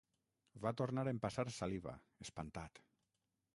Va tornar a empassar saliva, espantat.